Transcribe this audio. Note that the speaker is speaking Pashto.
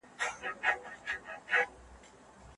راز ساتل امانت دی.